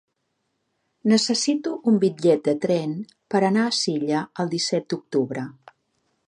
Necessito un bitllet de tren per anar a Silla el disset d'octubre.